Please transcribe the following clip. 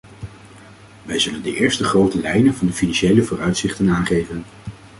Wij zullen de eerste grote lijnen van de financiële vooruitzichten aangeven.